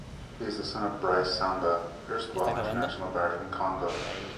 He is the son of Brice Samba, erstwhile international guard from Congo.